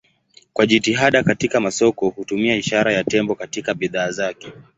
Kwa jitihada katika masoko hutumia ishara ya tembo katika bidhaa zake.